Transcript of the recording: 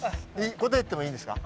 答えてもいいんですか？